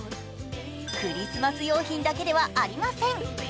クリスマス用品だけではありません。